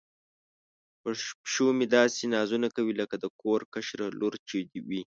پیشو مې داسې نازونه کوي لکه د کور کشره لور چې وي.